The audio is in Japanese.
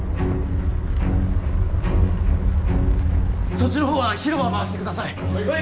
そっちのほうは広場回してください